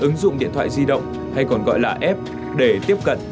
ứng dụng điện thoại di động hay còn gọi là app để tiếp cận